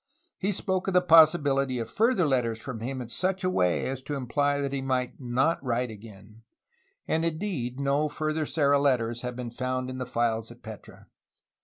He spoke of the possibility of further letters from him in such a way as to imply that he might not write again, — and indeed no further Serra letters have been found in the files at Petra.